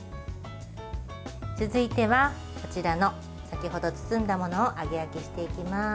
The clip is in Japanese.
続いてはこちらの先ほど包んだものを揚げ焼きしていきます。